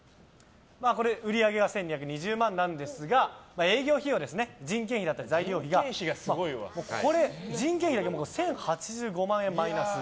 これ売り上げが１２２０万なんですが営業費用人件費だったり材料費がこれ、人件費だけで１０８５万円のマイナス。